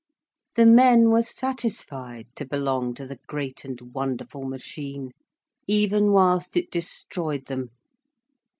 The men were satisfied to belong to the great and wonderful machine, even whilst it destroyed them.